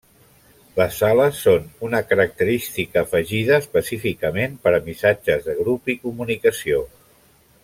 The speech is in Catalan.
Les Sales són una característica afegida específicament per a missatges de grup i comunicació.